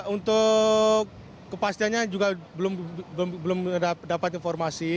untuk kepastiannya juga belum dapat informasi